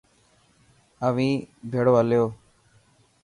اوهين ڀيڙو هليو.